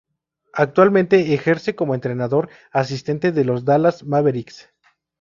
Actualmente ejerce como entrenador asistente de los Dallas Mavericks.